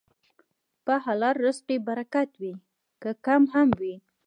په حلال رزق کې برکت وي، که کم هم وي.